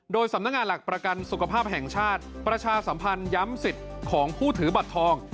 โดยสำนักงานหลักประกันสุขภาพแห่งชาติประชาสัมพันธ์ย้ำสิทธิ์ของผู้ถือบัตรทอง